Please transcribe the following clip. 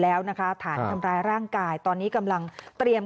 อาจารย์สอนน้องเรงก็มีปัญหาของเขา